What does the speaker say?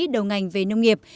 đầu ngành về nông nghiệp